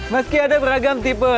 meski ada beragam tipe